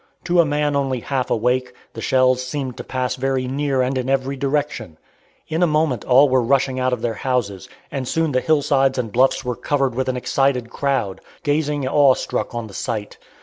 To a man only half awake, the shells seemed to pass very near and in every direction. In a moment all were rushing out of their houses, and soon the hillsides and bluffs were covered with an excited crowd, gazing awe struck on the sight.